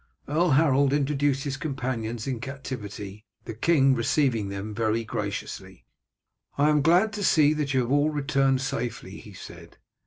Earl Harold introduced his companions in captivity, the king receiving them very graciously. "I am glad to see that you have all returned safely," he said.